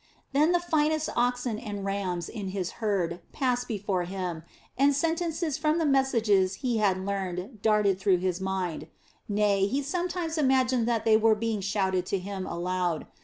Then the finest oxen and rams in his herds passed before him and sentences from the messages he had learned darted through his mind; nay he sometimes imagined that they were being shouted to him aloud.